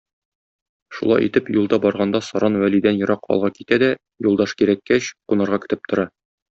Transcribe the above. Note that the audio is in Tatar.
Шулай итеп, юлда барганда саран Вәлидән ерак алга китә дә, юлдаш кирәккәч, кунарга көтеп тора.